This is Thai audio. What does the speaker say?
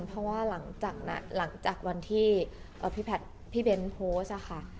เพราะว่าหลังจากน่ะหลังจากวันที่เอ่อพี่แพทย์พี่เบนโพสต์อะค่ะ